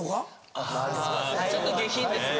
あぁちょっと下品ですね。